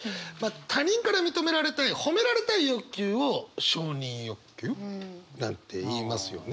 他人から認められたい褒められたい欲求を「承認欲求」なんていいますよね。